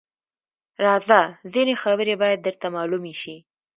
_راځه! ځينې خبرې بايد درته مالومې شي.